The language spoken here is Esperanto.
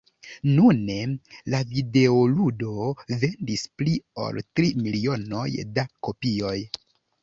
Nune la videoludo vendis pli ol tri milionoj da kopioj.